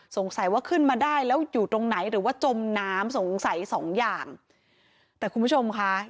สงสัยว่าขึ้นมาได้แล้วอยู่ตรงไหนหรือว่าจมน้ำสงสัยสองอย่างแต่คุณผู้ชมค่ะ